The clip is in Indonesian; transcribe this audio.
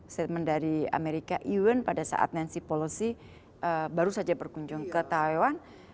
statement dari amerika even pada saat nancy policy baru saja berkunjung ke taiwan